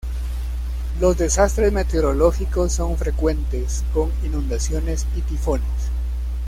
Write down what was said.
Los desastres meteorológicos son frecuentes con inundaciones y tifones.